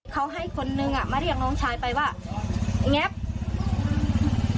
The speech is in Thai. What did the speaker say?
เขาให้คนนึงอ่ะมาเรียกน้องชายไปว่าแง๊บ